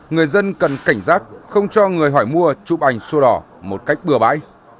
người dân cần cảnh giác không cho người hỏi mua chụp ảnh sổ đỏ một cách bừa bãi